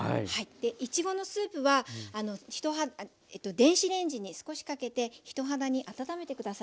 いちごのスープは電子レンジに少しかけて人肌に温めて下さい。